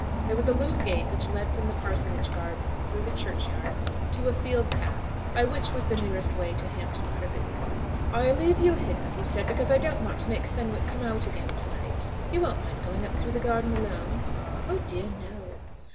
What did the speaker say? There was a little gate which led from the parsonage garden through the churchyard to a field path, by which was the nearest way to Hampton Privets. "I'll leave you here," he said, "because I don't want to make Fenwick come out again to night. You won't mind going up through the garden alone?" "Oh dear, no."